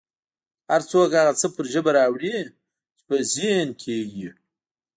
هر څوک هغه څه پر ژبه راوړي چې په ذهن کې یې وي